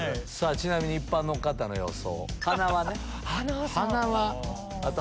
ちなみに一般の方の予想。